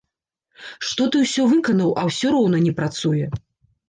Што ты ўсё выканаў, а ўсё роўна не працуе!